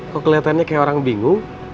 kok kelihatannya kayak orang bingung